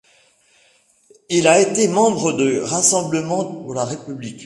Il a été membre du Rassemblement pour la République.